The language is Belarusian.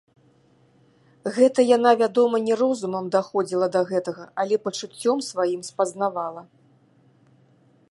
Гэта яна, вядома, не розумам даходзіла да гэтага, але пачуццём сваім спазнавала.